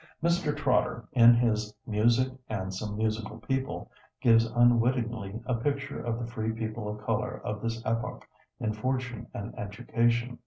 Mr. Trotter, in his "Music and Some Musical People," gives unwittingly a picture of the free people of color of this epoch in fortune and education.